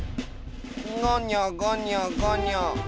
ごにょごにょごにょ。